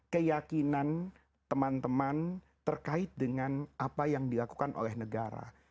keyakinan teman teman terkait dengan apa yang dilakukan oleh negara